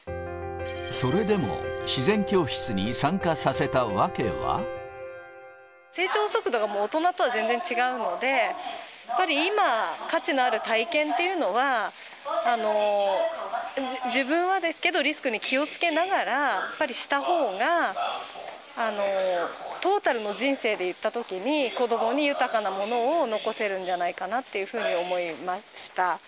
それでも、成長速度がもう、大人とは全然違うので、やっぱり今、価値のある体験というのは、自分はですけど、リスクに気をつけながら、やっぱりしたほうが、トータルの人生でいったときに、子どもに豊かなものを残せるんじゃないかというふうに思いました。